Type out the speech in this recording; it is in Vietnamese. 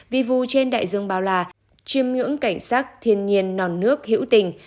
vi vu trên đại dương bao là chiêm ngưỡng cảnh sát thiên nhiên nòn nước hữu tình